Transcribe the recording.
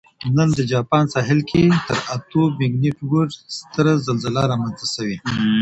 نن د جاپان ساحل کې تر اتو مګنیټیوډ ستره زلزله رامنځته شوې